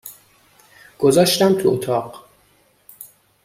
گذاشتم تو اتاق